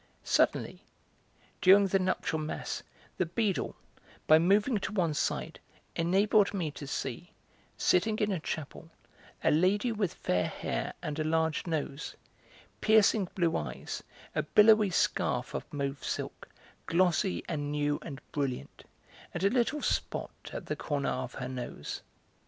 Suddenly, during the nuptial mass, the beadle, by moving to one side, enabled me to see, sitting in a chapel, a lady with fair hair and a large nose, piercing blue eyes, a billowy scarf of mauve silk, glossy and new and brilliant, and a little spot at the corner of her nose.